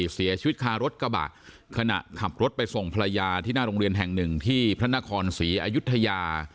เสียชีวิตคารถกระบะขณะขับรถไปส่งภรรยาที่หน้าโรงเรียนแห่งหนึ่งที่พระนครศรีอายุทยา